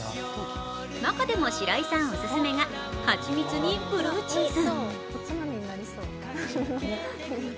中でも、しらいさんオススメが蜂蜜にブルーチーズ。